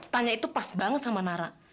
tanya itu pas banget sama nara